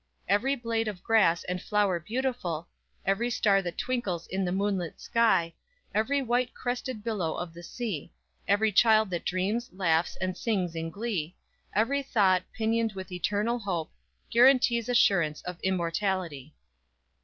Every blade of grass and flower beautiful; Every star that twinkles in the moonlit sky; Every white crested billow of the sea; Every child that dreams, laughs and sings in glee; Every thought, pinioned with eternal Hope Guarantees assurance of Immortality!"